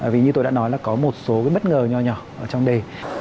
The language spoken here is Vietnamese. vì như tôi đã nói là có một số cái bất ngờ nhỏ nhỏ trong đề